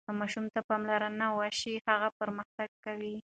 که ماشوم ته پاملرنه وشي، هغه پرمختګ کوي.